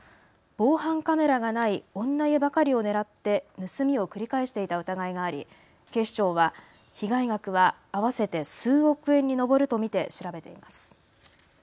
防犯カメラがない女湯ばかりを狙って盗みを繰り返していた疑いがあり警視庁は被害額は合わせて数億円に上ると見て調べています。